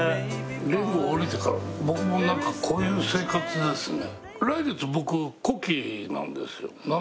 リング降りてから僕もなんかこういう生活ですね。